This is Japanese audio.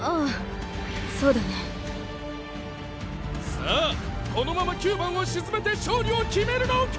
さあこのまま９番を沈めて勝利を決めるのか！？